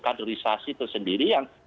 kaderisasi tersendiri yang